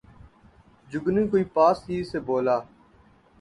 جگنو کوئی پاس ہی سے بولا